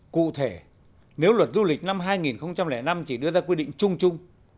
cụ thể nếu luật du lịch năm hai nghìn năm chỉ đưa ra quy định chung chung